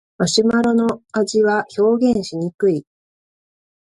マシュマロの味は表現しにくい